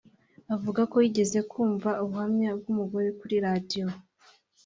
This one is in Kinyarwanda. Avuga ko yigeze kumva ubuhamya bw’umugore kuri radiyo